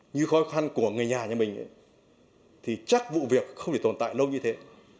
như khó khăn của người nhà nhà mình thì chắc vụ việc không chỉ tồn tại lâu như thế